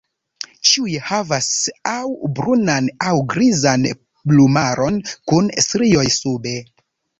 Ĉiuj havas aŭ brunan aŭ grizan plumaron kun strioj sube.